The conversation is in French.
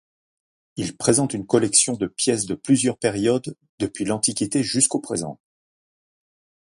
Il présente une collection de pièces de plusieurs périodes depuis l’antiquité jusqu’au présent.